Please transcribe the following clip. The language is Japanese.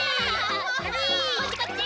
こっちこっち。